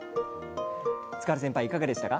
塚原先輩いかがでしたか？